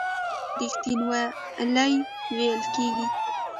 اوس همدې جعلي پولو ته ریښتینولي ویل کېږي.